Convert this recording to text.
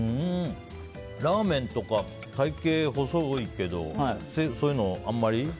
ラーメンとか体形細いけどそういうのあんまり？